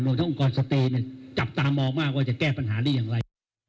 ทั้งองค์กรสเปนจับตามองมากว่าจะแก้ปัญหาได้อย่างไร